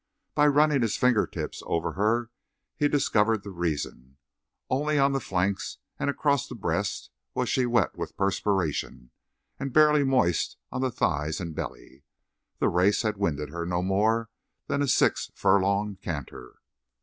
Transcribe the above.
By running his finger tips over her he discovered the reason only on the flanks and across the breast was she wet with perspiration, and barely moist on the thighs and belly. The race had winded her no more than a six furlong canter.